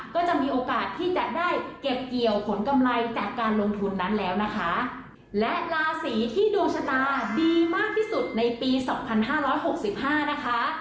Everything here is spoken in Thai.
ก็จะมีโอกาสที่จะได้เก็บเกี่ยวผลกำไรจากการลงทุนนั้นแล้วนะคะและราศีที่ดวงชะตาดีมากที่สุดในปีสองพันห้าร้อยหกสิบห้านะคะ